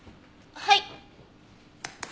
はい。